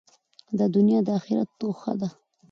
دا دؤنیا د آخرت توښه ده.